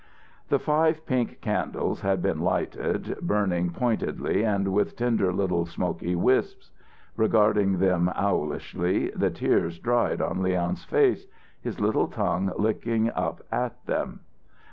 The five pink candles had been lighted, burning pointedly and with slender little smoke wisps. Regarding them owlishly, the tears dried on Leon's face, his little tongue licking up at them.